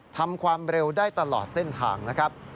ทำความเร็วได้ตลอดเส้นทางนะครับ